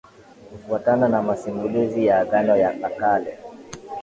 Kufuatana na masimulizi ya Agano la Kale